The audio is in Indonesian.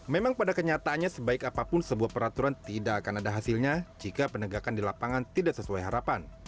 memang pada kenyataannya sebaik apapun sebuah peraturan tidak akan ada hasilnya jika penegakan di lapangan tidak sesuai harapan